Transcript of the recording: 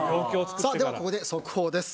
ではここで速報です。